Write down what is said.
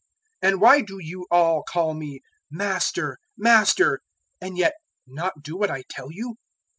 006:046 "And why do you all call me `Master, Master' and yet not do what I tell you?